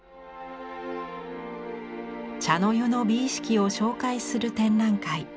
茶の湯の美意識を紹介する展覧会。